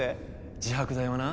自白剤はな